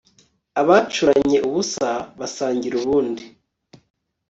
abacuranye ubusa basangira ubundi